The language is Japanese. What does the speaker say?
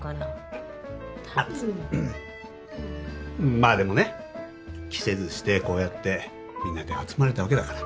まあでもね期せずしてこうやってみんなで集まれたわけだから。